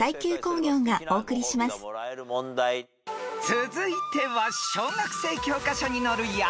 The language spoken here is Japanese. ［続いては小学生教科書に載る野菜から］